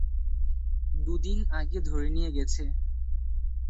দুদিন আগে ধরে নিয়ে গেছে।